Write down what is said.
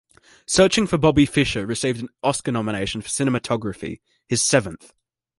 "Searching for Bobby Fischer" received an Oscar nomination for cinematography, his seventh.